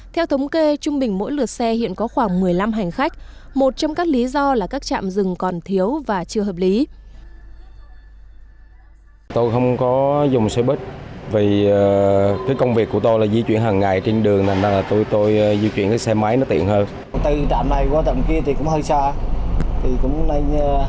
theo thống kê trung bình mỗi lượt xe hiện có khoảng một mươi năm hành khách một trong các lý do là các trạm rừng còn thiếu và chưa hợp lý